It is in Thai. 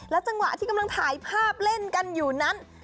จังหวะที่กำลังถ่ายภาพเล่นกันอยู่นั้น